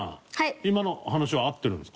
今の話は合ってるんですか？